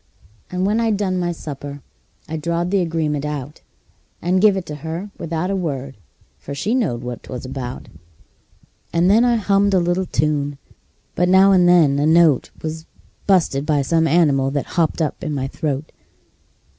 And when I'd done my supper I drawed the agreement out, And give it to her without a word, for she knowed what 'twas about; And then I hummed a little tune, but now and then a note Was bu'sted by some animal that hopped up in my throat.